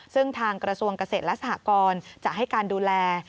ซึ่งทางกระทรวงเกษตรและสหกรจะให้การดูแล